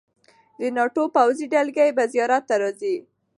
د ناټو پوځي دلګۍ به زیارت ته راځي.